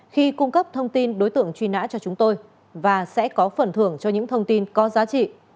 khi cung cấp thông tin đối tượng truy nã cho chúng tôi và sẽ có phần thưởng cho những thông tin có giá trị